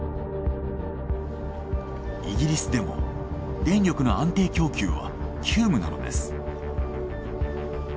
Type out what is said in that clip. イギリスでも電力の安定供給は急務なのです。